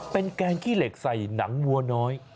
เป็นแกงขี้เหล็กใส่หนังวัวน้อย